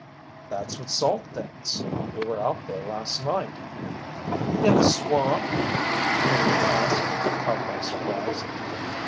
"That's what Salt thinks. We were out there last night." "In the swamp?" Penny asked, caught by surprise.